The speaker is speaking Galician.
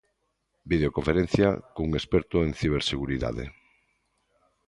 Videoconferencia cun experto en ciberseguridade.